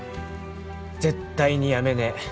絶対に辞めねえ。